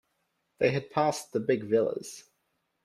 They had passed the big villas.